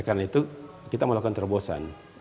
karena itu kita melakukan terobosan